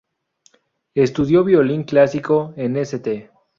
Estudió violín clásico en St.